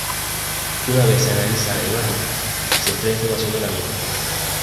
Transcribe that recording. Una vez se analiza la imagen, se extrae información de la misma.